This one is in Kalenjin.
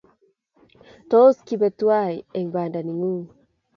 Tos kibe twai eng` panda ni ng`ung